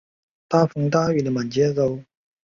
兰德韦尔是德国下萨克森州的一个市镇。